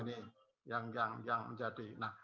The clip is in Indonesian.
ini yang menjadi